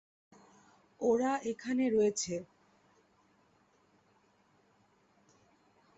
ওরা এখানে রয়েছে।